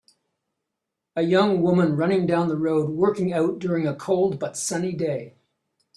A young woman running down the road working out during a cold but sunny day